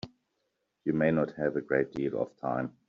You may not have a great deal of time.